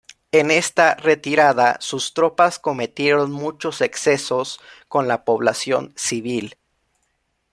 En esta retirada, sus tropas cometieron muchos excesos con la población civil.